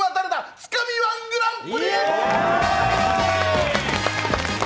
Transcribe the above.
つかみ−１グランプリ！！